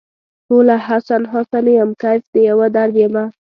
ټوله حسن ، حسن یم کیف د یوه درد یمه